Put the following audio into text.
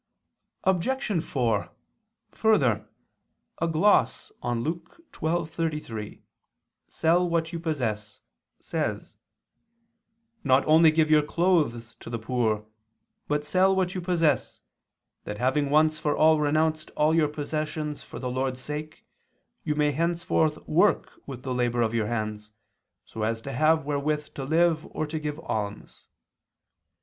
Obj. 4: Further, a gloss on Luke 12:33, "Sell what you possess," says: "Not only give your clothes to the poor, but sell what you possess, that having once for all renounced all your possessions for the Lord's sake, you may henceforth work with the labor of your hands, so as to have wherewith to live or to give alms."